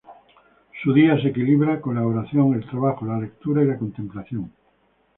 Su día se equilibra con la oración, el trabajo, la lectura y la contemplación.